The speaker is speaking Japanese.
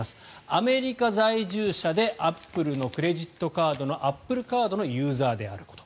アメリカ在住者でアップルのクレジットカードのアップルカードのユーザーであること。